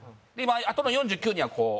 あとの４９人はこう。